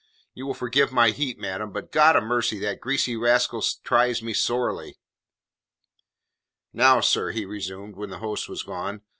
You will forgive my heat, madam, but, God a'mercy, that greasy rascal tries me sorely." "Now, sir," he resumed, when the host was gone.